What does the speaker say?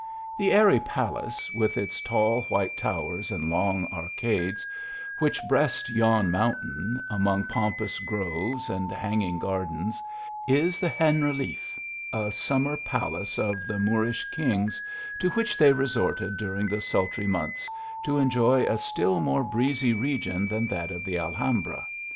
The airy palace with its tall white towers and long arcades, which breast yon mountain, among pomp ous groves and hanging gardens, is the Generaliffe, a summer palace of the Moorish kings, to which they resorted during the sultry months, to enjoy a still more breezy region than that of the Alhambra.